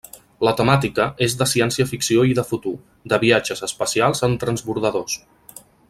La temàtica és de ciència-ficció i de futur, de viatges espacials en transbordadors.